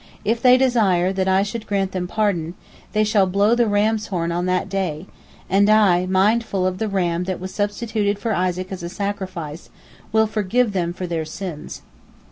If they desire that I should grant them pardon, they shall blow the ram's horn on that day, and I, mindful of the ram that was substituted for Isaac as a sacrifice, will forgive them for their sins."